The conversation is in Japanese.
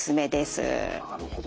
なるほど。